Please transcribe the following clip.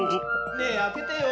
ねえあけてよ。